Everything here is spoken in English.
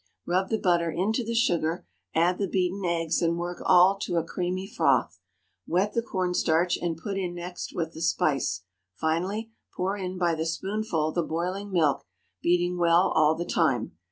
Rub the butter into the sugar, add the beaten eggs, and work all to a creamy froth. Wet the corn starch and put in next with the spice—finally, pour in by the spoonful the boiling milk, beating well all the time.